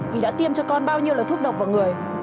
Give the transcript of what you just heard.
vì đã tiêm cho con bao nhiêu là thuốc độc vào người